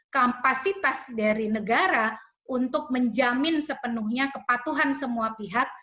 kapasitas dari negara untuk menjamin sepenuhnya kepatuhan semua pihak